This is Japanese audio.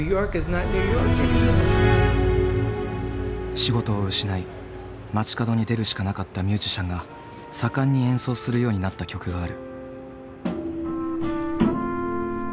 仕事を失い街角に出るしかなかったミュージシャンが盛んに演奏するようになった曲がある。